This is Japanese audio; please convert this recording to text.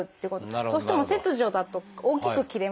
どうしても切除だと大きく切れますので。